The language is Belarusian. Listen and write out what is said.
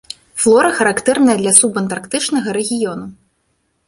Флора характэрная для субантарктычнага рэгіёну.